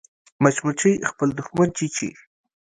مچمچۍ خپل دښمن چیچي